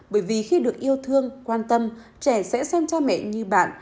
bởi vì khi được yêu thương quan tâm trẻ sẽ xem cha mẹ như bạn